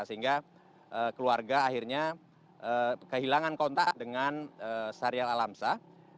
sehingga keluarga akhirnya kehilangan kontak dengan sahrial alam sah